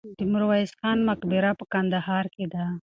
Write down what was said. د میرویس خان مقبره په کندهار کې ده.